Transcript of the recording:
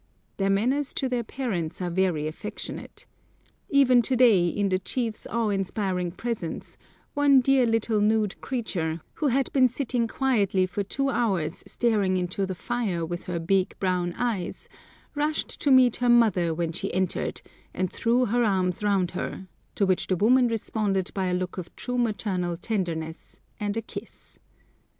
Their manners to their parents are very affectionate. Even to day, in the chief's awe inspiring presence, one dear little nude creature, who had been sitting quietly for two hours staring into the fire with her big brown eyes, rushed to meet her mother when she entered, and threw her arms round her, to which the woman responded by a look of true maternal tenderness and a kiss.